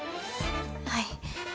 はい。